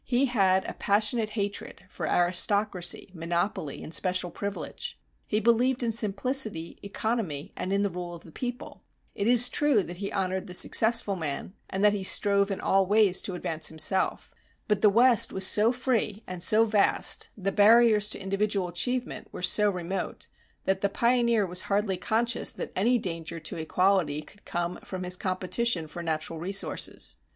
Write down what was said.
He had a passionate hatred for aristocracy, monopoly and special privilege; he believed in simplicity, economy and in the rule of the people. It is true that he honored the successful man, and that he strove in all ways to advance himself. But the West was so free and so vast, the barriers to individual achievement were so remote, that the pioneer was hardly conscious that any danger to equality could come from his competition for natural resources.